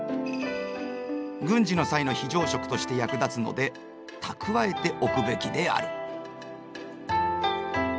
軍事の際の非常食として役立つので蓄えておくべきである。